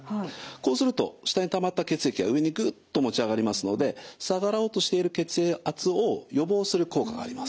こうすると下にたまった血液が上にぐっと持ち上がりますので下がろうとしている血圧を予防する効果があります。